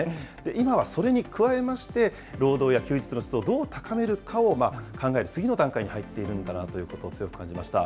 今はそれに加えまして、労働や休日の質をどう高めるかを考える、次の段階に入っているんだなということを強く感じました。